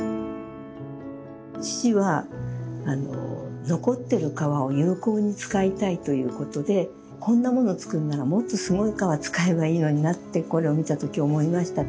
父は残ってる革を有効に使いたいということでこんなもの作るならもっとすごい革使えばいいのになってこれを見たとき思いましたけど。